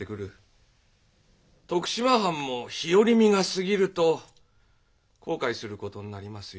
徳島藩も日和見がすぎると後悔することになりますよ。